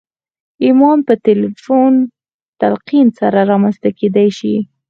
ايمان په تلقين سره رامنځته کېدای شي.